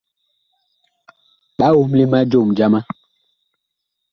Ɓa omle ma jom jama.